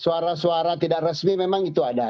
suara suara tidak resmi memang itu ada